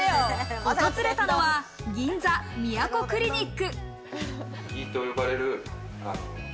訪れたのは銀座みやこクリニック。